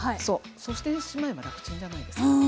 そうしてしまえば楽ちんじゃないですか。